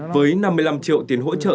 với năm mươi năm triệu tiền hỗ trợ